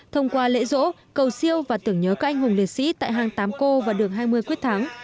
thông qua lễ rỗ cầu siêu và tưởng nhớ các anh hùng liệt sĩ tại hang tám cô và đường hai mươi quyết thắng